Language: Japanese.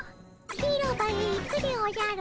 広場へ行くでおじゃる。